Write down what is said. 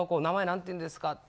名前なんて言うんですか？」。